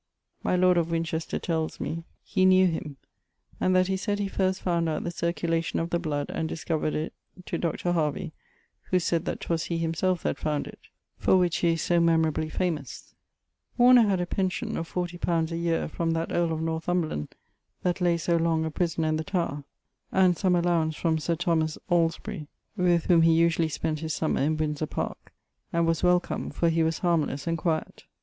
My lord of Winchester tells me he knew him, and that he saide he first fownd out the cerculation of the blood, and discover'd it Doʳ Haruie (who said that 'twas he (himselfe) that found it), for which he is so memorably famose. Warner had a pention of 40 li. a yeare from that earle of Northumberland that lay so long a prisner in the Towre, and som alowance from Sir Tho. Alesbery with whome he vsually spent his sumer in Windesor park, and was welcom, for he was harmless and quet.